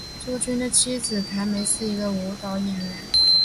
朱军的妻子谭梅是一个舞蹈演员。